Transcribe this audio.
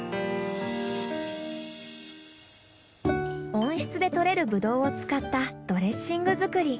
温室で採れるブドウを使ったドレッシング作り。